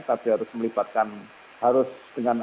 tapi harus melibatkan harus dengan